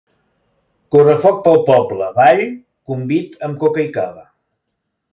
Correfoc pel poble, ball, convit amb coca i cava.